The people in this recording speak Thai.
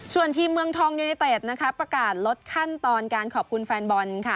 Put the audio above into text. ส่วนทีมเมืองทองยูเนเต็ดนะคะประกาศลดขั้นตอนการขอบคุณแฟนบอลค่ะ